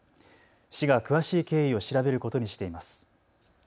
市が詳しい経緯を調べることにしています。